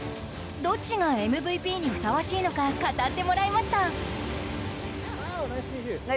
どっちがＭＶＰにふさわしいのか語ってもらいました。